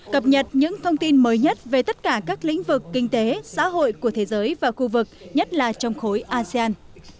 cập nhật những thông tin mới nhất về tất cả các lĩnh vực kinh tế xã hội của thế giới và khu vực nhất là trong khối asean